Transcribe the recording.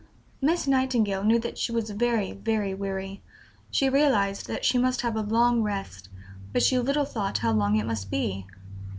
Miss Nightingale knew that she was very, very weary; she realized that she must have a long rest, but she little thought how long it must be.